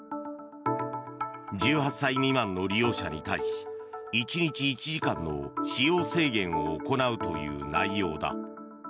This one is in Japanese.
１８歳未満の利用者に対し１日１時間の使用制限を行うという内容だ。